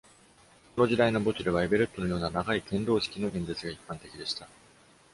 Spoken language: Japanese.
この時代の墓地では、エベレットのような長い献堂式の演説が一般的でした。